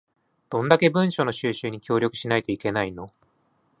どんだけ文書の収集に協力しないといけないの